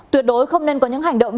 tuyệt đối không nên có những hành động